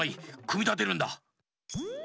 くみたてるんだ。